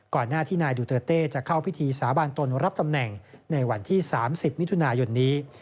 หน้าที่นายดูเตอร์เต้จะเข้าพิธีสาบานตนรับตำแหน่งในวันที่๓๐มิถุนายนนี้